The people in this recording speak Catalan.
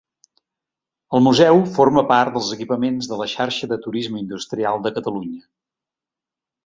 El museu forma part dels equipaments de la Xarxa de Turisme Industrial de Catalunya.